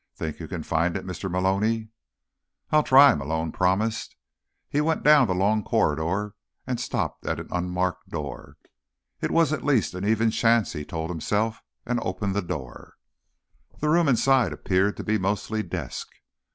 "Think you can find it, Mr. Maloney?" "I'll try," Malone promised. He went down the long corridor and stopped at an unmarked door. It was at least an even chance, he told himself, and opened the door. The room inside appeared to be mostly desk.